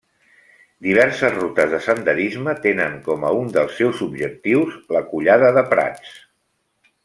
Diverses rutes de senderisme tenen com a un dels seus objectius la Collada de Prats.